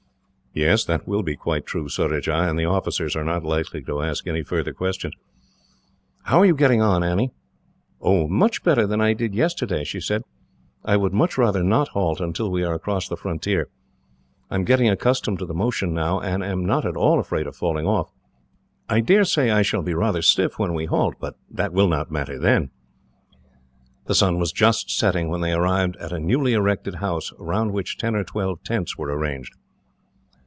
"Yes, that will be quite true, Surajah, and the officers are not likely to ask any further questions. "How are you getting on, Annie?" "Oh, much better than I did yesterday," she said. "I would much rather not halt, until we are across the frontier. I am getting accustomed to the motion now, and am not at all afraid of falling off. I dare say I shall be rather stiff, when we halt, but that will not matter, then." The sun was just setting when they arrived at a newly erected house, round which ten or twelve tents were arranged.